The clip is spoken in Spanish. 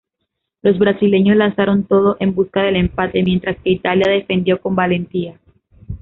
Los brasileños lanzaron todo en busca del empate, mientras que Italia defendió con valentía.